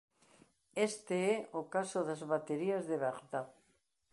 Este é o caso das "baterías de Bagdad".